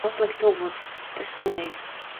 Atlikt uguni! Tas nelīdz.